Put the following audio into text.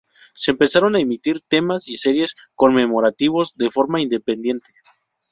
Se empezaron a emitir temas y series conmemorativos de forma independiente.